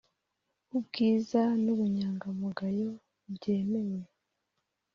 ubwiza n'ubunyangamugayo byemewe